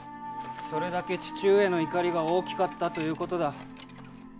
それだけ父上の怒りが大きかったということだ。